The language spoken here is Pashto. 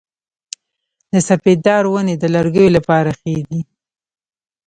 د سپیدار ونې د لرګیو لپاره ښې دي؟